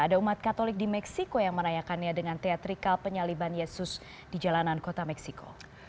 ada umat katolik di meksiko yang merayakannya dengan teatrikal penyaliban yesus di jalanan kota meksiko